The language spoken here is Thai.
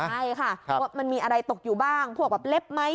ใช่ค่ะว่ามันมีอะไรตกอยู่บ้างพวกแบบเล็บไหม